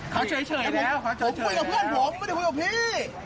เขาเฉยแล้วเขาไปกับเพื่อนผมไม่ได้ไปกับพี่